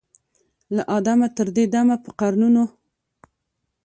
له آدمه تر دې دمه په قرنونو